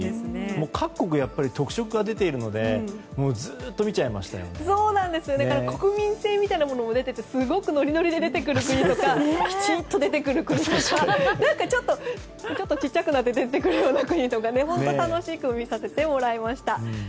各国、やっぱり特色が出ているので国民性みたいなものも出ていて、すごくノリノリで出てくる国とかきちんと出てくる国とかちょっと小さくなって出てくるような国とか楽しく見させてもらいました。